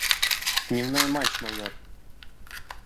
Дневной матч, майор.